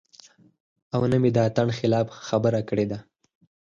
او نۀ مې د اتڼ خلاف خبره کړې ده -